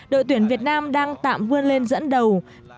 đội tuyển việt nam đang tạm vươn lên dẫn đầu